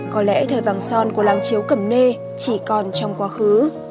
có lẽ thời vàng son của làng chiếu cẩm nê chỉ còn trong quá khứ